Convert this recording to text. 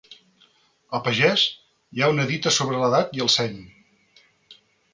A pagès hi ha una dita sobre l'edat i el seny.